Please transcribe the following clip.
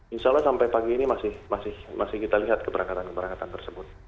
insya allah sampai pagi ini masih kita lihat keberangkatan keberangkatan tersebut